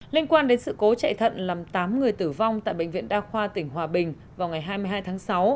liên quan đến sự cố chạy thận làm tám người tử vong tại bệnh viện đa khoa tỉnh hòa bình vào ngày hai mươi hai tháng sáu